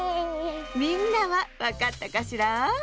みんなはわかったかしら？